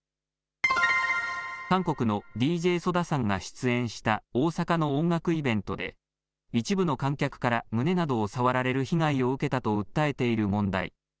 韓国のＤＪＳＯＤＡさんが出演した大阪の音楽イベントで一部の観客から胸などを触られる被害を受けたと訴えている問題。